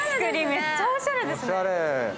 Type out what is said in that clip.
めっちゃおしゃれですね。